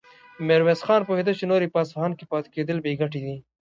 ميرويس خان پوهېده چې نور يې په اصفهان کې پاتې کېدل بې ګټې دي.